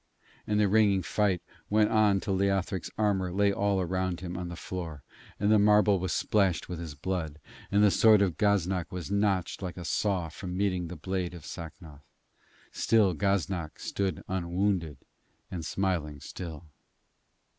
And the ringing fight went on till Leothric's armour lay all round him on the floor and the marble was splashed with his blood, and the sword of Gaznak was notched like a saw from meeting the blade of Sacnoth. Still Gaznak stood unwounded and smiling still.